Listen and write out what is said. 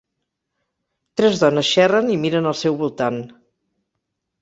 Tres dones xerren i miren al seu voltant.